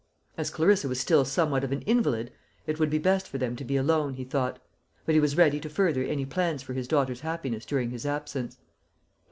As Clarissa was still somewhat of an invalid, it would be best for them to be alone, he thought; but he was ready to further any plans for his daughter's happiness during his absence.